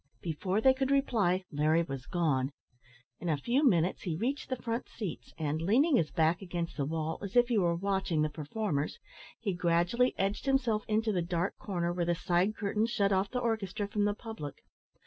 Before they could reply, Larry was gone. In a few minutes he reached the front seats, and, leaning his back against the wall, as if he were watching the performers, he gradually edged himself into the dark corner where the side curtain shut off the orchestra from the public.